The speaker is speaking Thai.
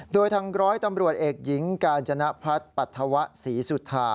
โดยทางร้อยตำรวจเอกหญิงกาญจนพัฒน์ปรัฐวะศรีสุธา